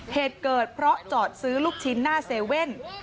เหตุเกิดเพราะจอดซื้อลูกชิ้นหน้าเซเว่น